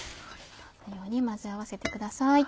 このように混ぜ合わせてください。